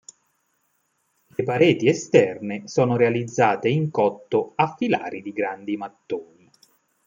Le pareti esterne sono realizzate in cotto a filari di grandi mattoni.